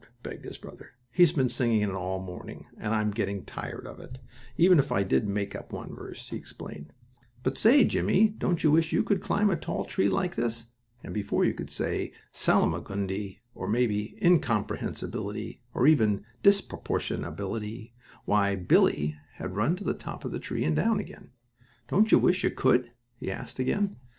begged his brother. "He's been singing it all the morning, and I'm getting tired of it, even if I did make up one verse," he explained. "But say, Jimmie, don't you wish you could climb a tall tree, like this?" and before you could say Salimagundy or maybe incomprehensibility or even disproportionability, why Billie had run to the top of the tree and down again. "Don't you wish you could?" he asked again.